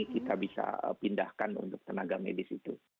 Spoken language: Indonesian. kita bisa pindahkan untuk tenaga medis itu